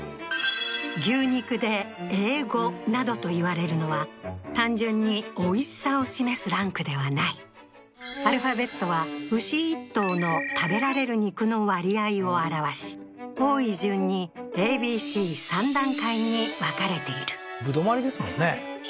牛肉でＡ５などといわれるのは単純においしさを示すランクではないアルファベットは牛１頭の食べられる肉の割合を表わし多い順にＡＢＣ３段階に分かれている歩留まりですもんね